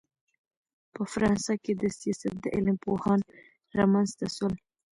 په فرانسه کښي دسیاست د علم پوهان رامنځ ته سول.